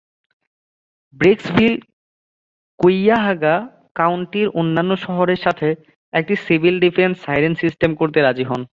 Brecksville কুইয়াহাগা কাউন্টির অন্যান্য শহরের সাথে একটি সিভিল ডিফেন্স সাইরেন সিস্টেম করতে রাজি হন।